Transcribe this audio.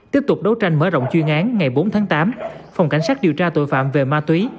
tiếp tục đấu tranh mở rộng chuyên án ngày bốn tháng tám phòng cảnh sát điều tra tội phạm về ma túy